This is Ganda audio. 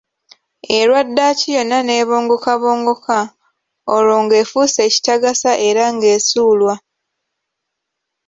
Erwa ddaaki yonna n'ebongokabongoka, olwo ng'efuuse ekitagasa era ng'esuulwa!